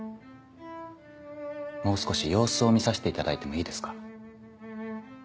もう少し様子を見させていただいてもいいですか。